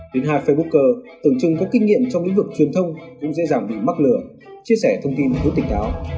đến hai facebooker tưởng chừng có kinh nghiệm trong lĩnh vực truyền thông cũng dễ dàng bị mắc lừa chia sẻ thông tin hướng tình áo